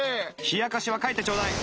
冷やかしは帰ってちょうだい！